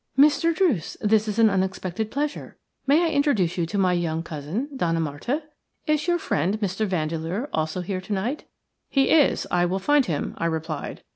"Mr. Druce, this is an unexpected pleasure. May I introduce you to my young cousin, Donna Marta? Is your friend, Mr. Vandeleur, also here to night?" "He is; I will find him," I replied.